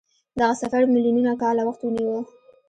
دغه سفر میلیونونه کاله وخت ونیو.